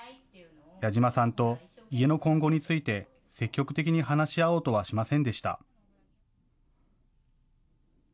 矢嶋さんと家の今後について積極的に話し合おうとはしませんでした。